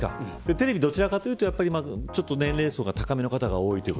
テレビはどちらかというと年齢層が高めの方が多い。